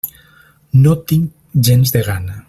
No tinc gens de gana.